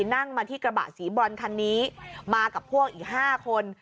นั่งมาที่กระบะสีบรอนคันนี้มากับพวกอีก๕คน